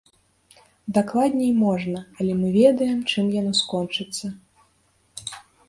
Дакладней можна, але мы ведаем, чым яно скончыцца.